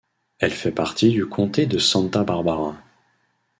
Elle fait partie du Comté de Santa Barbara.